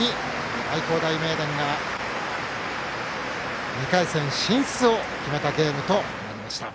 愛工大名電が２回戦進出を決めたゲームとなりました。